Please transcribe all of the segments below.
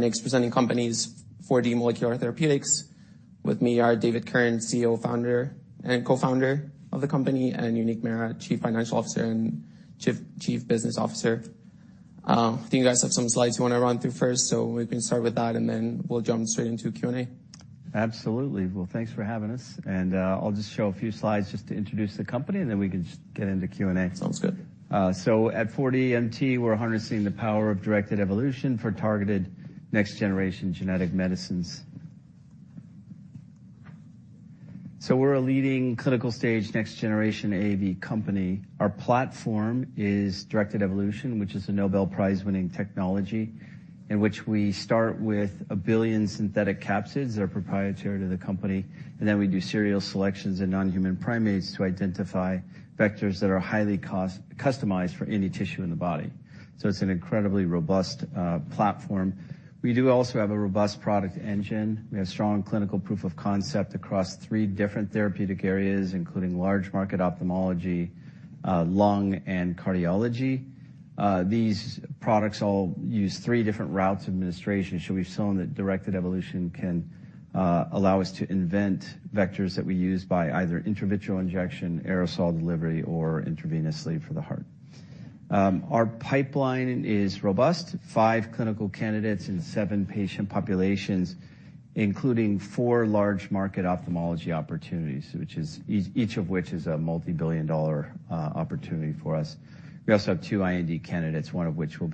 Our next presenting company is 4D Molecular Therapeutics. With me are David Kirn, CEO, founder, and co-founder of the company, and Uneek Mehra, Chief Financial Officer and Chief Business Officer. I think you guys have some slides you want to run through first, so we can start with that and then we'll jump straight into Q&A. Absolutely. Well, thanks for having us. I'll just show a few slides just to introduce the company, and then we can just get into Q&A. Sounds good. So, at 4DMT, we're harnessing the power of directed evolution for targeted next-generation genetic medicines. So, we're a leading clinical stage next-generation AAV company. Our platform is directed evolution, which is a Nobel Prize-winning technology in which we start with 1 billion synthetic capsids that are proprietary to the company, and then we do serial selections in non-human primates to identify vectors that are highly customized for any tissue in the body. So, it's an incredibly robust platform. We do also have a robust product engine. We have strong clinical proof of concept across three different therapeutic areas, including large-market ophthalmology, lung, and cardiology. These products all use three different routes of administration, so we've shown that directed evolution can allow us to invent vectors that we use by either intravitreal injection, aerosol delivery, or intravenously for the heart. Our pipeline is robust: five clinical candidates in seven patient populations, including four large-market ophthalmology opportunities, each of which is a multibillion-dollar opportunity for us. We also have two IND candidates, one of which will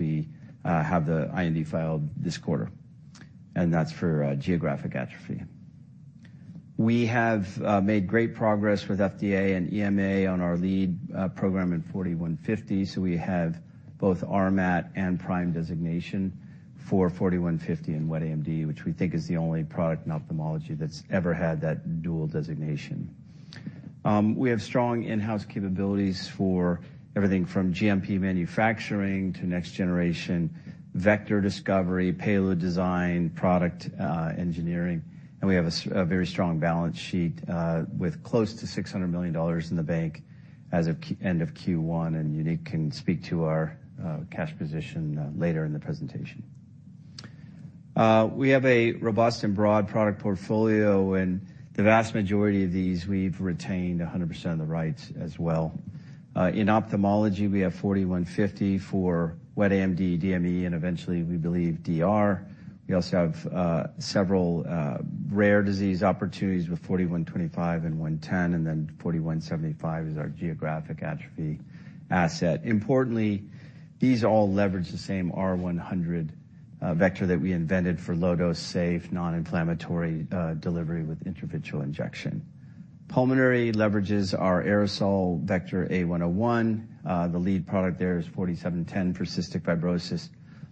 have the IND filed this quarter, and that's for geographic atrophy. We have made great progress with FDA and EMA on our lead program in 4D-150, so we have both RMAT and PRIME designation for 4D-150 in wet AMD, which we think is the only product in ophthalmology that's ever had that dual designation. We have strong in-house capabilities for everything from GMP manufacturing to next-generation vector discovery, payload design, product engineering, and we have a very strong balance sheet with close to $600 million in the bank as of end of Q1, and Uneek can speak to our cash position later in the presentation. We have a robust and broad product portfolio, and the vast majority of these, we've retained 100% of the rights as well. In ophthalmology, we have 4D-150 for wet AMD, DME, and eventually, we believe, DR. We also have several rare disease opportunities with 4D-125 and 4D-110, and then 4D-175 is our geographic atrophy asset. Importantly, these all leverage the same R100 vector that we invented for low-dose, safe, non-inflammatory delivery with intravitreal injection. Pulmonary leverages our aerosol vector A101. The lead product there is 4D-710 for cystic fibrosis,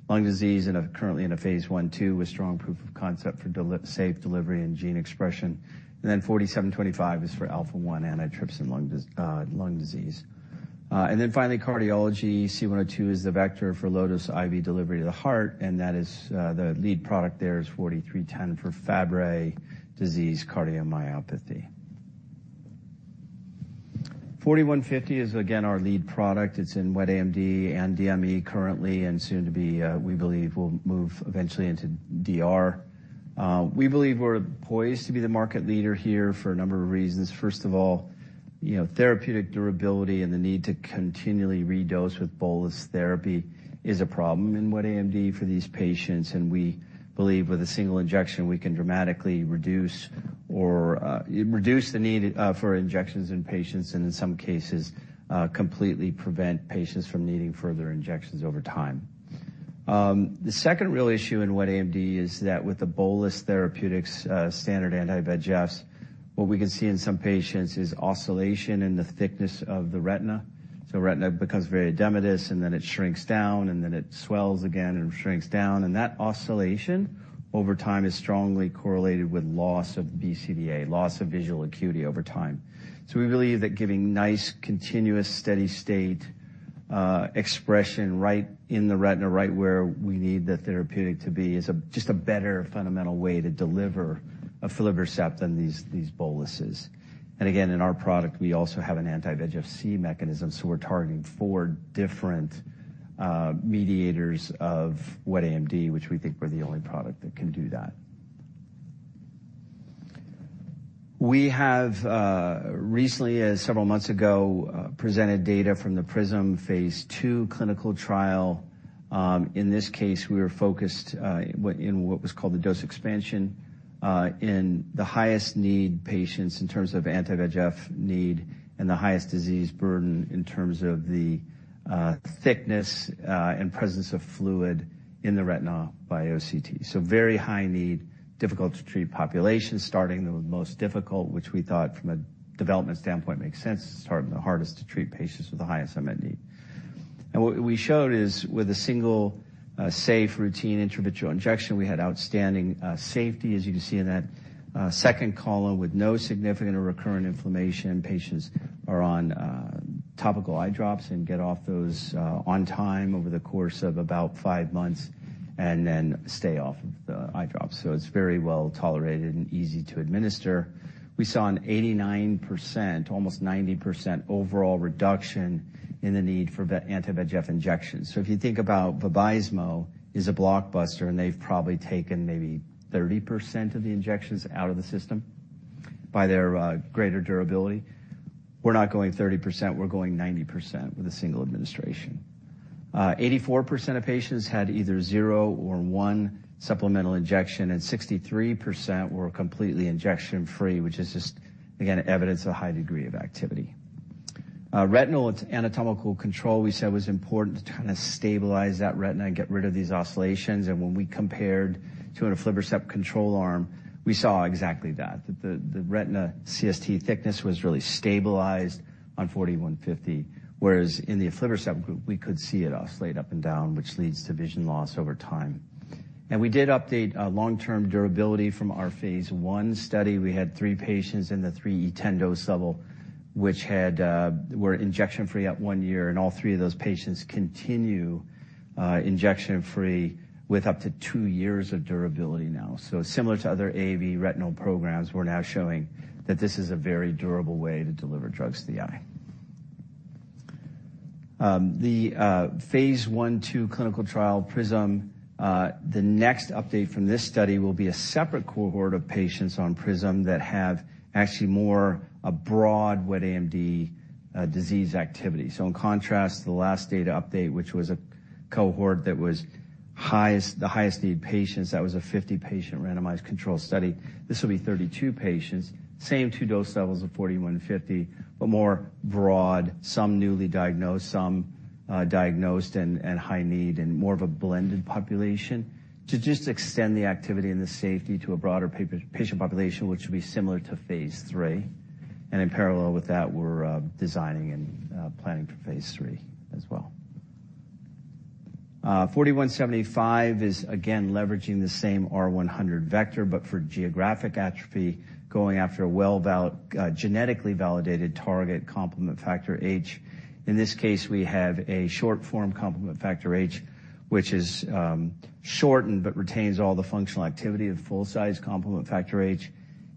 lung disease, and currently in a phase 1/2 with strong proof of concept for safe delivery and gene expression. And then 4D-725 is for alpha-1 antitrypsin lung disease. And then finally, cardiology, C102 is the vector for low-dose IV delivery to the heart, and the lead product there is 4D-310 for Fabry disease cardiomyopathy. 4D-150 is, again, our lead product. It's in wet AMD and DME currently and soon to be, we believe, will move eventually into DR. We believe we're poised to be the market leader here for a number of reasons. First of all, therapeutic durability and the need to continually redose with bolus therapy is a problem in wet AMD for these patients, and we believe with a single injection, we can dramatically reduce the need for injections in patients and, in some cases, completely prevent patients from needing further injections over time. The second real issue in wet AMD is that with the bolus therapeutics, standard anti-VEGFs, what we can see in some patients is oscillation in the thickness of the retina. So, retina becomes very edematous, and then it shrinks down, and then it swells again and shrinks down. That oscillation over time is strongly correlated with loss of BCVA, loss of visual acuity over time. So we believe that giving nice, continuous, steady state expression right in the retina, right where we need the therapeutic to be, is just a better fundamental way to deliver an aflibercept than these boluses. And again, in our product, we also have an anti-VEGF-C mechanism, so we're targeting four different mediators of wet AMD, which we think we're the only product that can do that. We have recently, several months ago, presented data from the PRISM phase 2 clinical trial. In this case, we were focused on what was called the dose expansion in the highest need patients in terms of anti-VEGF need and the highest disease burden in terms of the thickness and presence of fluid in the retina by OCT. So very high need, difficult-to-treat population, starting the most difficult, which we thought from a development standpoint makes sense. It's hard and the hardest to treat patients with the highest unmet need. And what we showed is with a single safe, routine intravitreal injection, we had outstanding safety, as you can see in that second column, with no significant or recurrent inflammation. Patients are on topical eye drops and get off those on time over the course of about five months and then stay off of the eye drops. So, it's very well tolerated and easy to administer. We saw an 89%, almost 90%, overall reduction in the need for anti-VEGF injections. So, if you think about Vabysmo, it is a blockbuster, and they've probably taken maybe 30% of the injections out of the system by their greater durability. We're not going 30%. We're going 90% with a single administration. 84% of patients had either 0 or 1 supplemental injection, and 63% were completely injection-free, which is just, again, evidence of a high degree of activity. Retinal anatomical control, we said, was important to kind of stabilize that retina and get rid of these oscillations. When we compared to an aflibercept control arm, we saw exactly that, that the retina CST thickness was really stabilized on 4D-150, whereas in the aflibercept group, we could see it oscillate up and down, which leads to vision loss over time. We did update long-term durability from our phase 1 study. We had three patients in the 3E10 dose level, which were injection-free at one year, and all three of those patients continue injection-free with up to two years of durability now. So similar to other AVV retinal programs, we're now showing that this is a very durable way to deliver drugs to the eye. The phase 1/2 clinical trial, PRISM, the next update from this study will be a separate cohort of patients on PRISM that have actually more broad wet AMD disease activity. So, in contrast, the last data update, which was a cohort that was the highest need patients, that was a 50-patient randomized control study. This will be 32 patients, same two dose levels of 4D-150, but more broad, some newly diagnosed, some diagnosed, and high need, and more of a blended population to just extend the activity and the safety to a broader patient population, which will be similar to phase 3. In parallel with that, we're designing and planning for phase 3 as well. 4D-175 is, again, leveraging the same R100 vector, but for geographic atrophy, going after a well-genetically validated target complement factor H. In this case, we have a short-form complement factor H, which is shortened but retains all the functional activity of full-size complement factor H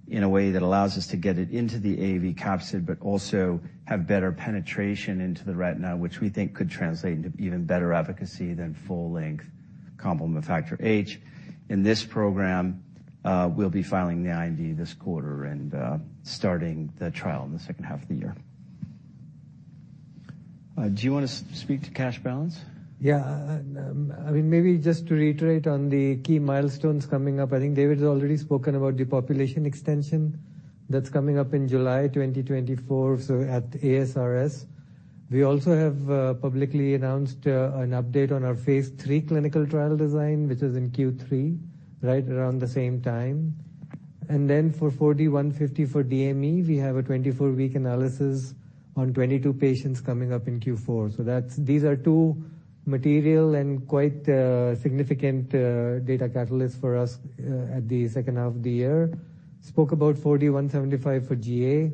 in a way that allows us to get it into the AAV capsid but also have better penetration into the retina, which we think could translate into even better efficacy than full-length complement factor H. In this program, we'll be filing the IND this quarter and starting the trial in the second half of the year. Do you want to speak to cash balance? Yeah. I mean, maybe just to reiterate on the key milestones coming up, I think David has already spoken about the population extension that's coming up in July 2024, so at ASRS. We also have publicly announced an update on our phase 3 clinical trial design, which is in Q3, right around the same time. And then for 4D-150 for DME, we have a 24-week analysis on 22 patients coming up in Q4. So, these are two material and quite significant data catalysts for us at the second half of the year. Spoke about 4D-175 for GA.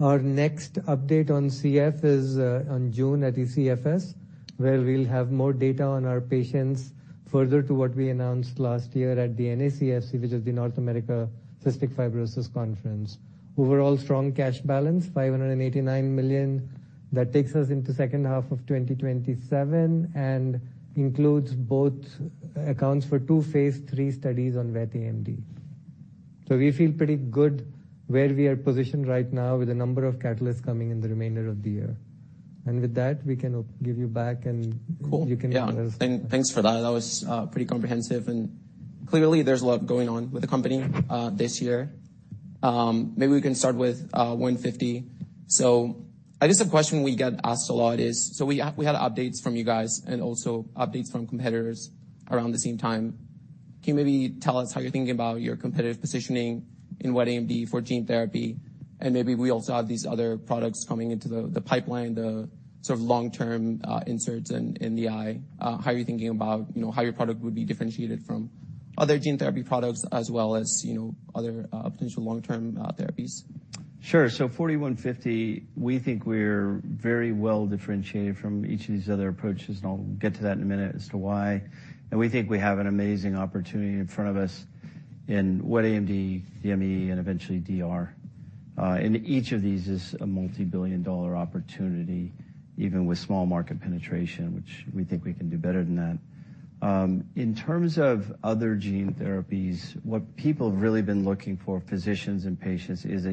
Our next update on CF is on June at ECFS, where we'll have more data on our patients further to what we announced last year at the NACFC, which is the North America Cystic Fibrosis Conference. Overall, strong cash balance, $589 million. That takes us into second half of 2027 and includes both accounts for two phase 3 studies on wet AMD. So, we feel pretty good where we are positioned right now with a number of catalysts coming in the remainder of the year. And with that, we can give you back, and you can tell us. Cool. Yeah. And thanks for that. That was pretty comprehensive, and clearly, there's a lot going on with the company this year. Maybe we can start with 150. So, I guess a question we get asked a lot is so we had updates from you guys and also updates from competitors around the same time. Can you maybe tell us how you're thinking about your competitive positioning in wet AMD for gene therapy? And maybe we also have these other products coming into the pipeline, the sort of long-term inserts in the eye. How are you thinking about how your product would be differentiated from other gene therapy products as well as other potential long-term therapies? Sure. So, 4D-150, we think we're very well differentiated from each of these other approaches, and I'll get to that in a minute as to why. We think we have an amazing opportunity in front of us in wet AMD, DME, and eventually DR. Each of these is a multibillion-dollar opportunity, even with small-market penetration, which we think we can do better than that. In terms of other gene therapies, what people have really been looking for, physicians and patients, is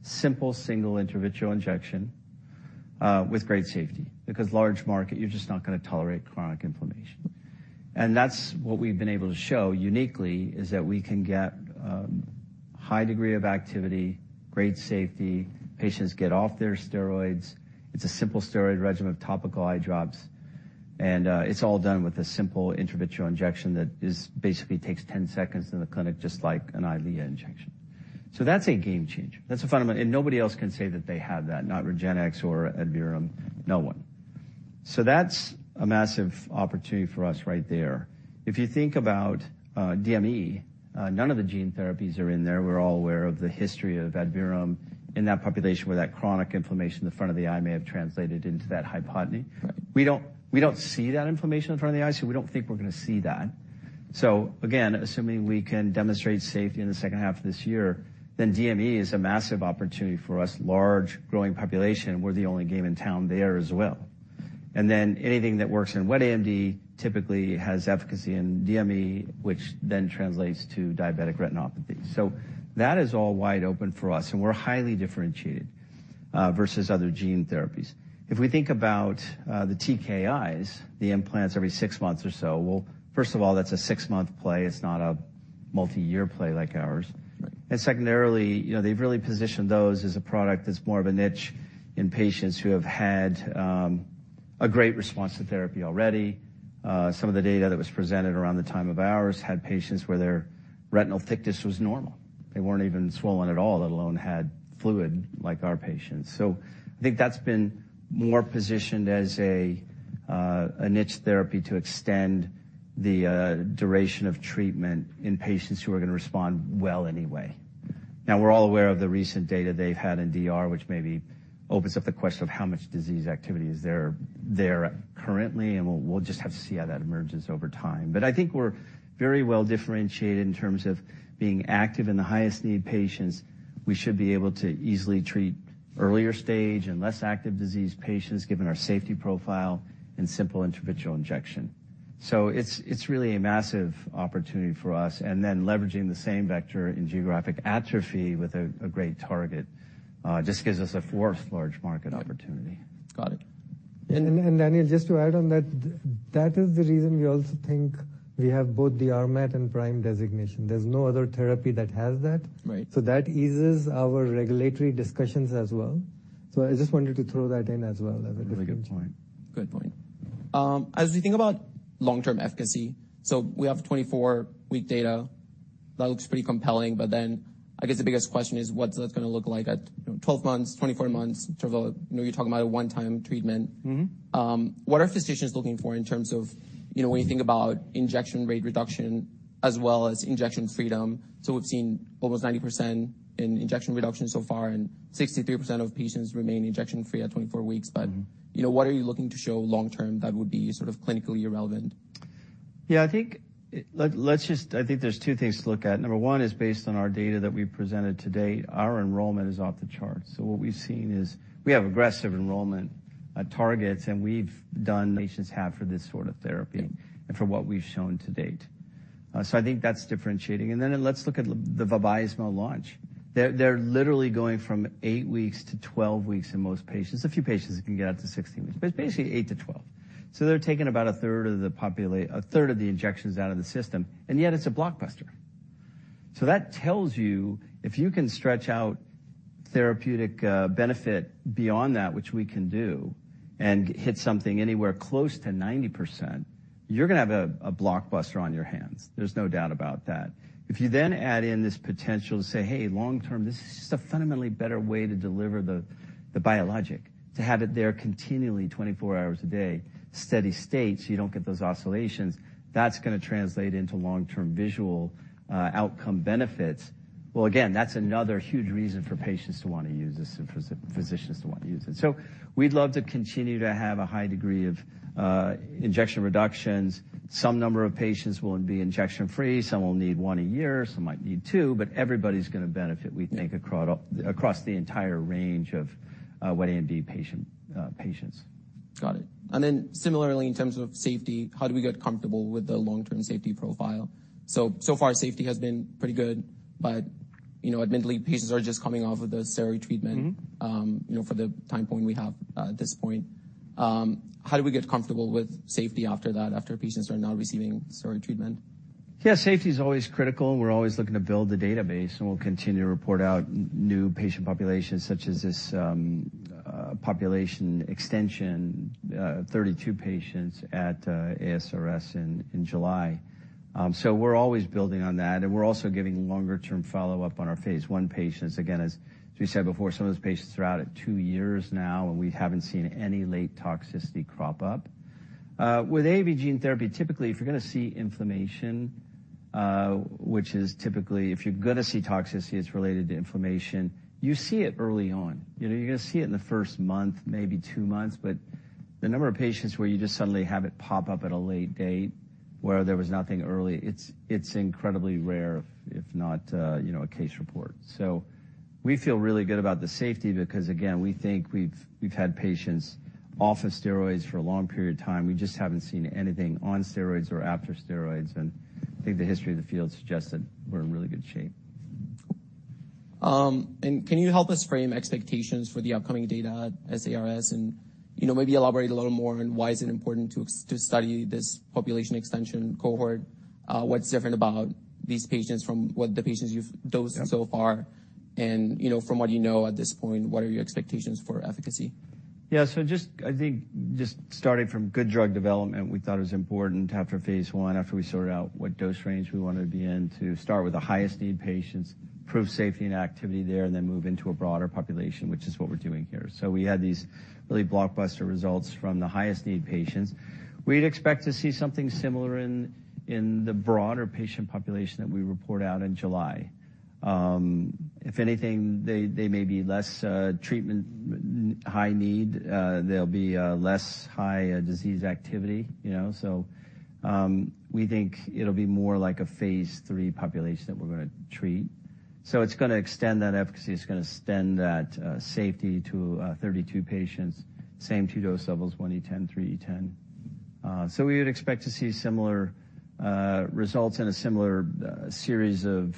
a simple single intravitreal injection with great safety because large market, you're just not going to tolerate chronic inflammation. That's what we've been able to show uniquely, is that we can get high degree of activity, great safety, patients get off their steroids. It's a simple steroid regimen of topical eye drops, and it's all done with a simple intravitreal injection that basically takes 10 seconds in the clinic, just like an Eylea injection. That's a game changer. That's a fundamental. Nobody else can say that they have that, not REGENXBIO or Adverum. No one. That's a massive opportunity for us right there. If you think about DME, none of the gene therapies are in there. We're all aware of the history of Adverum in that population where that chronic inflammation in the front of the eye may have translated into that hypotony. We don't see that inflammation in the front of the eye, so we don't think we're going to see that. Again, assuming we can demonstrate safety in the second half of this year, then DME is a massive opportunity for us, large, growing population. We're the only game in town there as well. And then anything that works in wet AMD typically has efficacy in DME, which then translates to diabetic retinopathy. So, that is all wide open for us, and we're highly differentiated versus other gene therapies. If we think about the TKIs, the implants every 6 months or so, well, first of all, that's a 6-month play. It's not a multiyear play like ours. And secondarily, they've really positioned those as a product that's more of a niche in patients who have had a great response to therapy already. Some of the data that was presented around the time of ours had patients where their retinal thickness was normal. They weren't even swollen at all, let alone had fluid like our patients. I think that's been more positioned as a niche therapy to extend the duration of treatment in patients who are going to respond well anyway. Now, we're all aware of the recent data they've had in DR, which maybe opens up the question of how much disease activity is there currently, and we'll just have to see how that emerges over time. But I think we're very well differentiated in terms of being active in the highest need patients. We should be able to easily treat earlier stage and less active disease patients given our safety profile and simple intravitreal injection. It's really a massive opportunity for us. Then leveraging the same vector in geographic atrophy with a great target just gives us a fourth large-market opportunity. Got it. And Daniel, just to add on that, that is the reason we also think we have both the RMAT and PRIME designation. There's no other therapy that has that. So that eases our regulatory discussions as well. So, I just wanted to throw that in as well as a different. Really good point. Good point. As we think about long-term efficacy, so we have 24-week data. That looks pretty compelling, but then I guess the biggest question is what's that going to look like at 12 months, 24 months? You're talking about a one-time treatment. What are physicians looking for in terms of when you think about injection rate reduction as well as injection freedom? So, we've seen almost 90% in injection reduction so far, and 63% of patients remain injection-free at 24 weeks. But what are you looking to show long-term that would be sort of clinically irrelevant? Yeah. I think there's two things to look at. Number one is based on our data that we presented to date, our enrollment is off the charts. So, what we've seen is we have aggressive enrollment targets, and we've done. Patients have for this sort of therapy and for what we've shown to date. So I think that's differentiating. And then let's look at the Vabysmo launch. They're literally going from 8-12 weeks in most patients. A few patients can get up to 16 weeks, but it's basically 8-12. So, they're taking about a third of the population a third of the injections out of the system, and yet it's a blockbuster. So, that tells you if you can stretch out therapeutic benefit beyond that, which we can do, and hit something anywhere close to 90%, you're going to have a blockbuster on your hands. There's no doubt about that. If you then add in this potential to say, "Hey, long-term, this is just a fundamentally better way to deliver the biologic, to have it there continually 24 hours a day, steady state, so you don't get those oscillations," that's going to translate into long-term visual outcome benefits. Well, again, that's another huge reason for patients to want to use this and for physicians to want to use it. So we'd love to continue to have a high degree of injection reductions. Some number of patients will be injection-free. Some will need one a year. Some might need two. But everybody's going to benefit, we think, across the entire range of wet AMD patients. Got it. And then similarly, in terms of safety, how do we get comfortable with the long-term safety profile? So far, safety has been pretty good, but admittedly, patients are just coming off of the steroid treatment for the time point we have at this point. How do we get comfortable with safety after that, after patients are not receiving steroid treatment? Yeah. Safety is always critical, and we're always looking to build the database, and we'll continue to report out new patient populations such as this population extension, 32 patients at ASRS in July. So we're always building on that, and we're also giving longer-term follow-up on our phase 1 patients. Again, as we said before, some of those patients are out at 2 years now, and we haven't seen any late toxicity crop up. With AV gene therapy, typically, if you're going to see inflammation, which is typically if you're going to see toxicity, it's related to inflammation, you see it early on. You're going to see it in the first month, maybe 2 months. But the number of patients where you just suddenly have it pop up at a late date where there was nothing early, it's incredibly rare, if not a case report. We feel really good about the safety because, again, we think we've had patients off of steroids for a long period of time. We just haven't seen anything on steroids or after steroids. I think the history of the field suggests that we're in really good shape. Can you help us frame expectations for the upcoming data at NACFC and maybe elaborate a little more on why it's important to study this population extension cohort? What's different about these patients from the patients you've dosed so far? From what you know at this point, what are your expectations for efficacy? Yeah. So, I think just starting from good drug development, we thought it was important after phase 1, after we sorted out what dose range we wanted to be in, to start with the highest need patients, prove safety and activity there, and then move into a broader population, which is what we're doing here. So, we had these really blockbuster results from the highest need patients. We'd expect to see something similar in the broader patient population that we report out in July. If anything, they may be less treatment high need. There'll be less high disease activity. So, we think it'll be more like a phase 3 population that we're going to treat. So, it's going to extend that efficacy. It's going to extend that safety to 32 patients, same two dose levels, 1E10, 3E10. We would expect to see similar results in a similar series of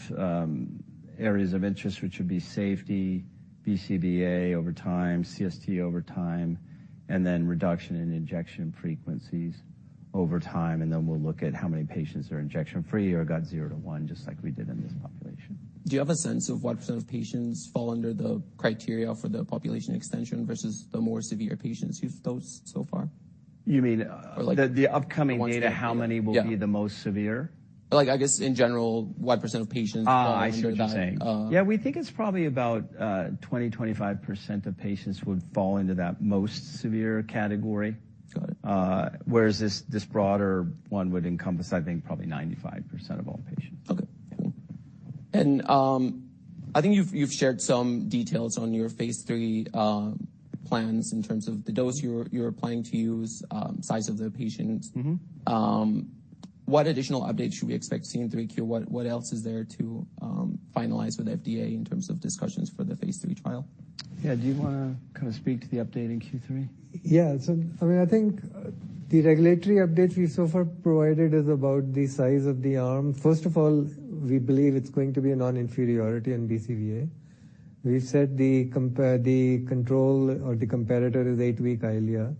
areas of interest, which would be safety, BCVA over time, CST over time, and then reduction in injection frequencies over time. Then we'll look at how many patients are injection-free or got 0 to 1, just like we did in this population. Do you have a sense of what % of patients fall under the criteria for the population extension versus the more severe patients you've dosed so far? You mean the upcoming data, how many will be the most severe? I guess, in general, what % of patients fall under that? Oh, I'm just saying. Yeah. We think it's probably about 20%-25% of patients would fall into that most severe category, whereas this broader one would encompass, I think, probably 95% of all patients. Okay. Cool. I think you've shared some details on your phase 3 plans in terms of the dose you're planning to use, size of the patients. What additional updates should we expect seeing in 3Q? What else is there to finalize with FDA in terms of discussions for the phase 3 trial? Yeah. Do you want to kind of speak to the update in Q3? Yeah. I mean, I think the regulatory update we've so far provided is about the size of the arm. First of all, we believe it's going to be a non-inferiority in BCVA. We've said the control or the competitor is 8-week Eylea.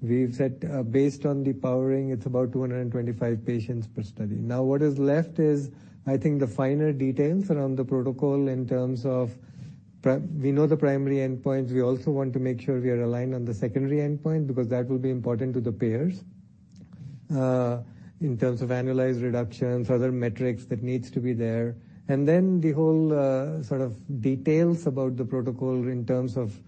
We've said, based on the powering, it's about 225 patients per study. Now, what is left is, I think, the finer details around the protocol in terms of we know the primary endpoints. We also want to make sure we are aligned on the secondary endpoint because that will be important to the payers in terms of annualized reductions, other metrics that need to be there. And then the whole sort of details about the protocol in terms of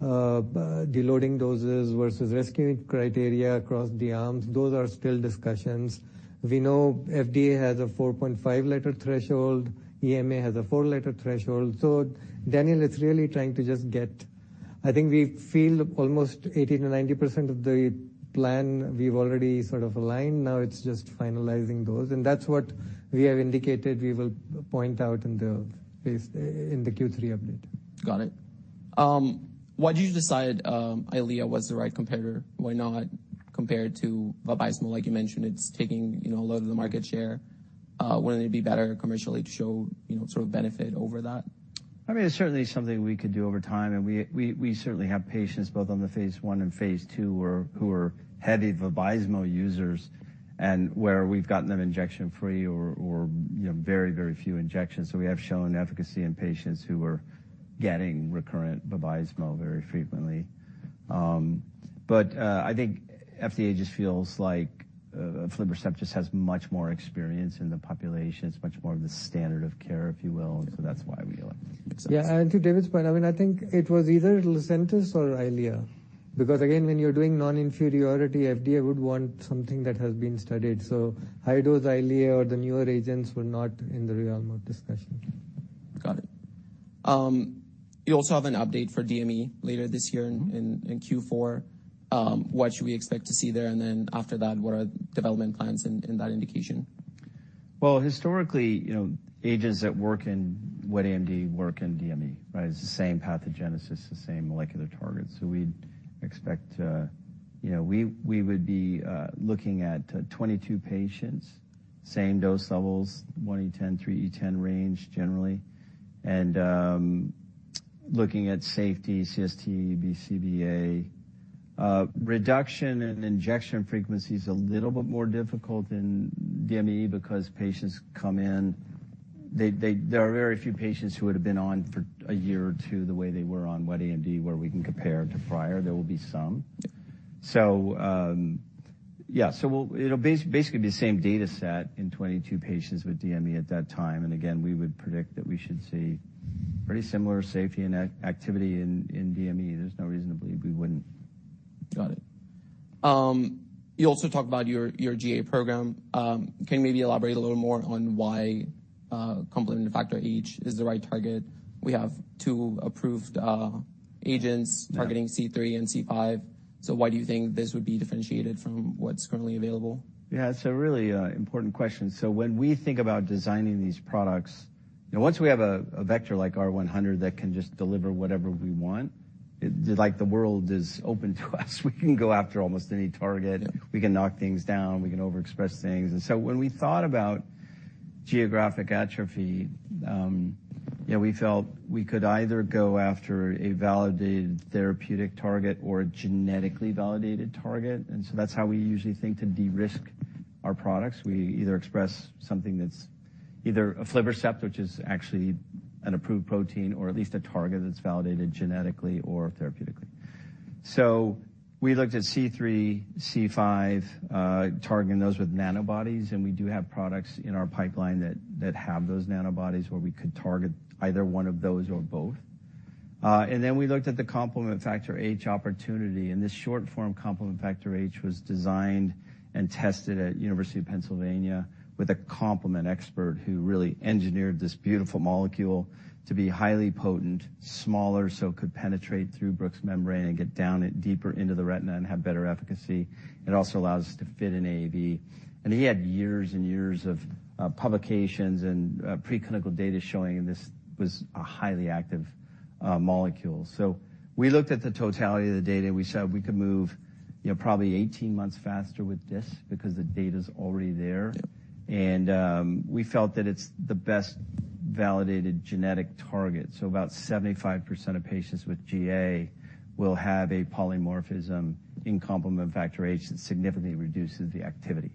loading doses versus rescue criteria across the arms, those are still discussions. We know FDA has a 4.5-letter threshold. EMA has a 4-letter threshold. Daniel, it's really trying to just get, I think we feel, almost 80%-90% of the plan we've already sort of aligned. Now, it's just finalizing those. That's what we have indicated we will point out in the Q3 update. Got it. Why did you decide Eylea was the right competitor? Why not compared to Vabysmo? Like you mentioned, it's taking a lot of the market share. Wouldn't it be better commercially to show sort of benefit over that? I mean, it's certainly something we could do over time. And we certainly have patients both on the phase 1 and phase 2 who are heavy Vabysmo users and where we've gotten them injection-free or very, very few injections. So we have shown efficacy in patients who are getting recurrent Vabysmo very frequently. But I think FDA just feels like aflibercept just has much more experience in the population. It's much more of the standard of care, if you will. And so that's why we do it. Yeah. To David's point, I mean, I think it was either Lucentis or Eylea because, again, when you're doing non-inferiority, FDA would want something that has been studied. So high-dose Eylea or the newer agents were not in the real-world discussion. Got it. You also have an update for DME later this year in Q4. What should we expect to see there? And then after that, what are development plans in that indication? Well, historically, agents that work in wet AMD work in DME, right? It's the same pathogenesis, the same molecular targets. So, we'd expect we would be looking at 22 patients, same dose levels, 1E10, 3E10 range generally, and looking at safety, CST, BCVA. Reduction in injection frequency is a little bit more difficult in DME because patients come in; there are very few patients who would have been on for a year or two the way they were on wet AMD where we can compare to prior. There will be some. So, yeah. So, it'll basically be the same dataset in 22 patients with DME at that time. And again, we would predict that we should see pretty similar safety and activity in DME. There's no reason to believe we wouldn't. Got it. You also talked about your GA program. Can you maybe elaborate a little more on why complement factor H is the right target? We have two approved agents targeting C3 and C5. So why do you think this would be differentiated from what's currently available? Yeah. It's a really important question. So when we think about designing these products, once we have a vector like R100 that can just deliver whatever we want, the world is open to us. We can go after almost any target. We can knock things down. We can overexpress things. And so when we thought about geographic atrophy, we felt we could either go after a validated therapeutic target or a genetically validated target. And so that's how we usually think to de-risk our products. We either express something that's either an aflibercept, which is actually an approved protein, or at least a target that's validated genetically or therapeutically. So we looked at C3, C5, targeting those with nanobodies. And we do have products in our pipeline that have those nanobodies where we could target either one of those or both. And then we looked at the complement factor H opportunity. And this short form complement factor H was designed and tested at University of Pennsylvania with a complement expert who really engineered this beautiful molecule to be highly potent, smaller, so it could penetrate through Bruch's membrane and get down deeper into the retina and have better efficacy. It also allows us to fit in AV. And he had years and years of publications and preclinical data showing this was a highly active molecule. So we looked at the totality of the data. We said we could move probably 18 months faster with this because the data already there. And we felt that it's the best validated genetic target. So about 75% of patients with GA will have a polymorphism in complement factor H that significantly reduces the activity.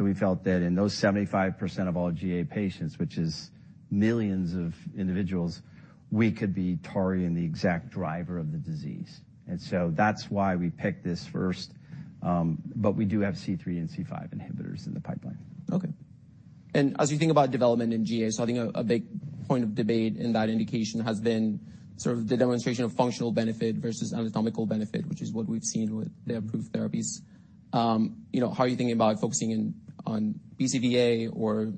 We felt that in those 75% of all GA patients, which is millions of individuals, we could be targeting the exact driver of the disease. That's why we picked this first. We do have C3 and C5 inhibitors in the pipeline. Okay. As you think about development in GA, so I think a big point of debate in that indication has been sort of the demonstration of functional benefit versus anatomical benefit, which is what we've seen with the approved therapies. How are you thinking about focusing on BCVA or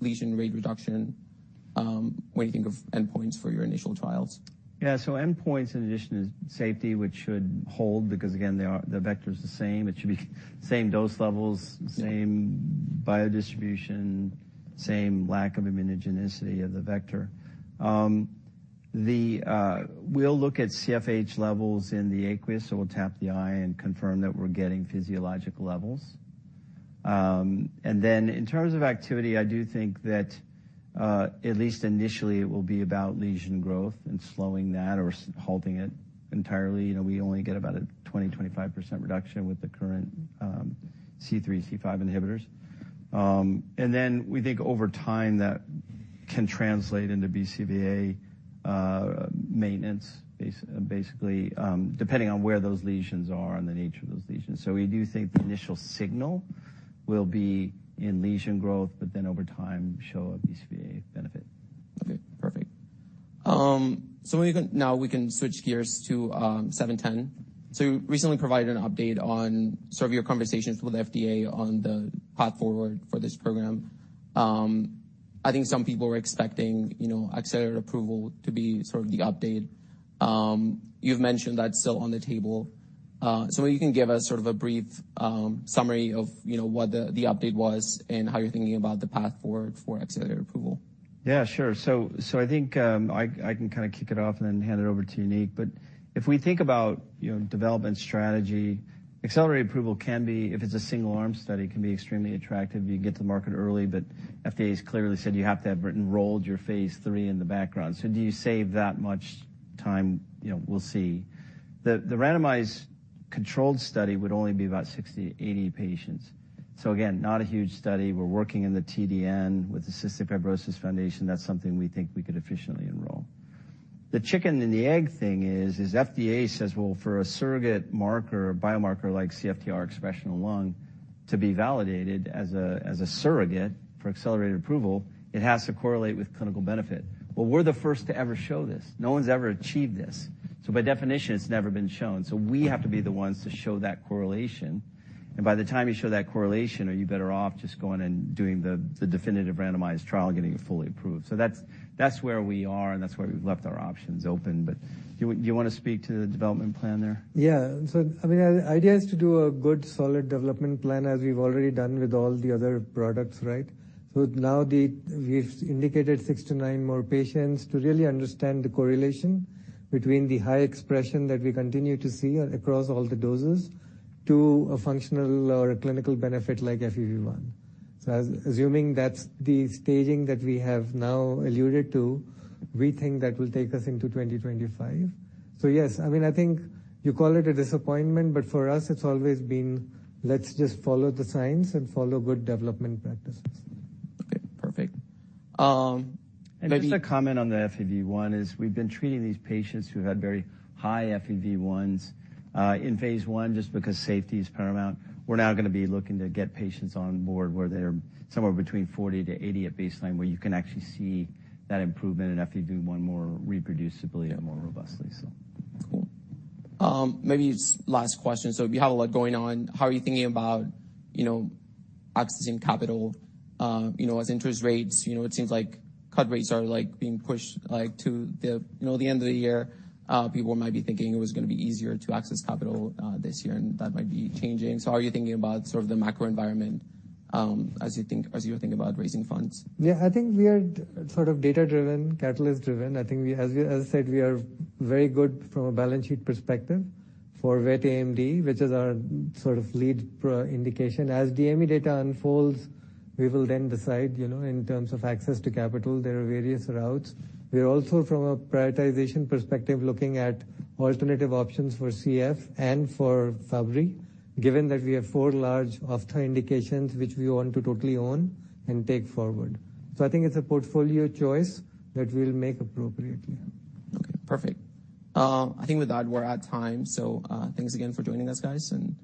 lesion rate reduction when you think of endpoints for your initial trials? Yeah. So endpoints, in addition, is safety, which should hold because, again, the vector's the same. It should be same dose levels, same biodistribution, same lack of immunogenicity of the vector. We'll look at CFH levels in the aqueous. So we'll tap the eye and confirm that we're getting physiological levels. And then in terms of activity, I do think that at least initially, it will be about lesion growth and slowing that or halting it entirely. We only get about a 20%-25% reduction with the current C3, C5 inhibitors. And then we think over time, that can translate into BCVA maintenance, basically, depending on where those lesions are and the nature of those lesions. So we do think the initial signal will be in lesion growth, but then over time, show a BCVA benefit. Okay. Perfect. So now we can switch gears to 710. So you recently provided an update on sort of your conversations with FDA on the path forward for this program. I think some people were expecting accelerated approval to be sort of the update. You've mentioned that's still on the table. So maybe you can give us sort of a brief summary of what the update was and how you're thinking about the path forward for accelerated approval. Yeah. Sure. So, I think I can kind of kick it off and then hand it over to Uneek. But if we think about development strategy, accelerated approval can be, if it's a single-arm study, can be extremely attractive. You get to the market early. But FDA has clearly said you have to have written rolled your phase 3 in the background. So do you save that much time? We'll see. The randomized controlled study would only be about 60-80 patients. So again, not a huge study. We're working in the TDN with the Cystic Fibrosis Foundation. That's something we think we could efficiently enroll. The chicken-in-the-egg thing is FDA says, "Well, for a surrogate marker, a biomarker like CFTR expression in lung, to be validated as a surrogate for accelerated approval, it has to correlate with clinical benefit." Well, we're the first to ever show this. No one's ever achieved this. So, by definition, it's never been shown. So we have to be the ones to show that correlation. And by the time you show that correlation, are you better off just going and doing the definitive randomized trial and getting it fully approved? So, that's where we are, and that's where we've left our options open. But do you want to speak to the development plan there? Yeah. So, I mean, the idea is to do a good, solid development plan as we've already done with all the other products, right? So now we've indicated 6-9 more patients to really understand the correlation between the high expression that we continue to see across all the doses to a functional or a clinical benefit like FEV1. So assuming that's the staging that we have now alluded to, we think that will take us into 2025. So yes. I mean, I think you call it a disappointment, but for us, it's always been, "Let's just follow the science and follow good development practices. Okay. Perfect. Just a comment on the FEV1 is we've been treating these patients who have had very high FEV1s in phase 1 just because safety is paramount. We're now going to be looking to get patients on board where they're somewhere between 40-80 at baseline, where you can actually see that improvement in FEV1 more reproducibly and more robustly, so. Cool. Maybe last question. So, if you have a lot going on, how are you thinking about accessing capital as interest rates? It seems like cut rates are being pushed to the end of the year. People might be thinking it was going to be easier to access capital this year, and that might be changing. So, how are you thinking about sort of the macro environment as you think about raising funds? Yeah. I think we are sort of data-driven, catalyst-driven. I think, as I said, we are very good from a balance sheet perspective for Wet AMD, which is our sort of lead indication. As DME data unfolds, we will then decide in terms of access to capital. There are various routes. We're also, from a prioritization perspective, looking at alternative options for CF and for Fabry, given that we have four large Ophtho indications, which we want to totally own and take forward. So, I think it's a portfolio choice that we'll make appropriately. Okay. Perfect. I think with that, we're at time. So, thanks again for joining us, guys, and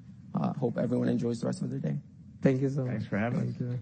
hope everyone enjoys the rest of their day. Thank you so much. Thanks for having us. Thank you.